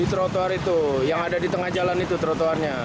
di trotoar itu yang ada di tengah jalan itu trotoarnya